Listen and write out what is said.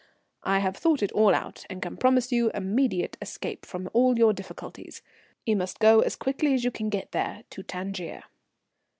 "I have thought it all out and can promise you immediate escape from all your difficulties. You must go as quickly as you can get there, to Tangier."